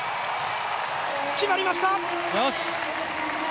決まりました！